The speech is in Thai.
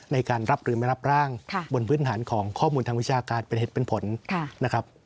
ในการรับหรือไม่รับร่างบนพื้นฐานของข้อมูลทางวิชาการเป็นเหตุเป็นผลนะครับ